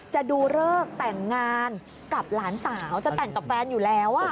จะดูเลิกแต่งงานกับหลานสาวจะแต่งกับแฟนอยู่แล้ว